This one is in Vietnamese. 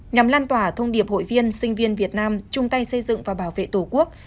nhằm lan tỏa thông điệp hội viên sinh viên việt nam chung tay xây dựng và bảo vệ tổ quốc